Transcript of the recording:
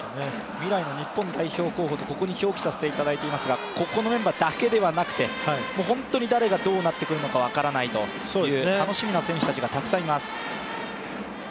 未来の日本代表候補とここに表記させていただいていますが、ここのメンバーだけではなくて本当に誰がどうなってくるか分からないという、楽しみな選手たちがたくさんいます。